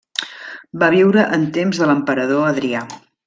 Va viure en temps de l'emperador Adrià.